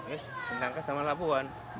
ini tengah tengah sama lapuan